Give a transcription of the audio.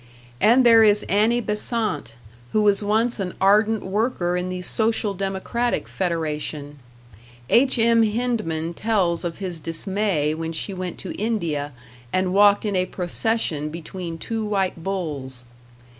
And there is Annie Besant, who was once an ardent worker in the Social democratic Federation; H.M. Hyndman tells of his dismay when she went to India and walked in a procession between two white bulls!